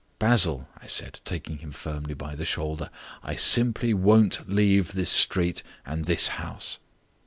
"Basil," I said, taking him firmly by the shoulder, "I simply won't leave this street and this house."